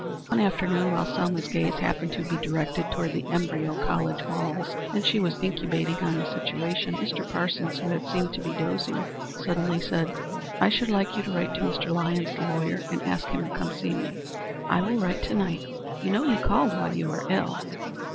One afternoon while Selma's gaze happened to be directed toward the embryo college walls, and she was incubating on the situation, Mr. Parsons, who had seemed to be dozing, suddenly said: "I should like you to write to Mr. Lyons, the lawyer, and ask him to come to see me." "I will write to night. You know he called while you were ill."